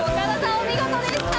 お見事でした！